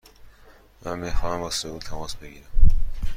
من می خواهم با سئول تماس بگیرم.